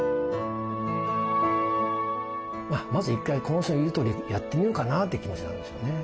まず１回この人の言うとおりやってみようかなって気持ちになるんですよね。